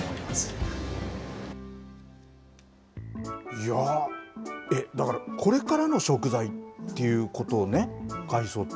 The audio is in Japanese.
いやぁ、だからこれからの食材っていうことね、海藻って。